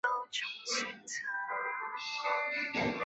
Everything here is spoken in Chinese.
长尾景信是室町时代中期武将。